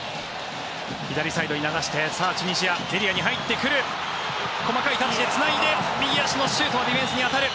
左サイドに流してチュニジア、エリアに入ってくる細かいタッチでつないで右足のシュートはディフェンスに当たる。